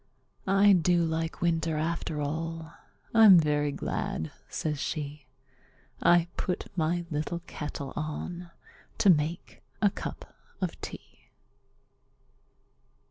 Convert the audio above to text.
"I do like winter after all; I'm very glad," says she, "I put my little kettle on to make a cup of tea!"